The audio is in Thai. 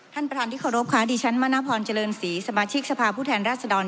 ท่านประธานที่เคารพค่ะดิฉันมณพรเจริญศรีสมาชิกสภาพผู้แทนราชดร